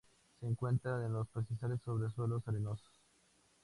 Se encuentra en los pastizales sobre suelos arenosos.